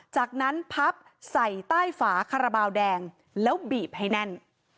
จากนั้นพับใส่ใต้ฝาคาราบาลแดงแล้วบีบให้แน่น